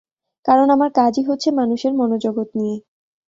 কারণ আমার কাজই হচ্ছে মানুষের মনোজগৎ নিয়ে।